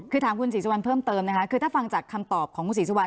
คือถามคุณศรีสุวรรณเพิ่มเติมนะคะคือถ้าฟังจากคำตอบของคุณศรีสุวรร